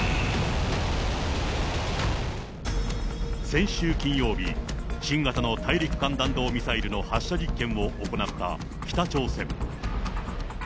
先週金曜日、新型の大陸間弾道ミサイルの発射実験を行った北朝鮮。